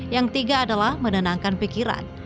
yang tiga adalah menenangkan pikiran